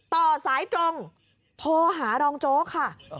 ต่อสายตรงโทรหารองโจ๊กค่ะ